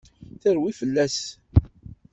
Terwi fell-as!